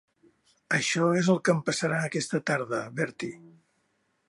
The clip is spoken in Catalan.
Això és el que em passarà aquesta tarda, Bertie.